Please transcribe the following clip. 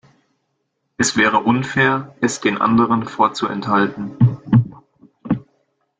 Es wäre unfair, es den anderen vorzuenthalten.